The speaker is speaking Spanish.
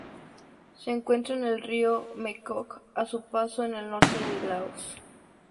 Se encuentra en el río Mekong a su paso por el norte de Laos.